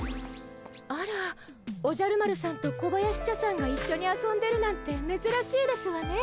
あらおじゃる丸さんと小林茶さんが一緒に遊んでるなんてめずらしいですわね。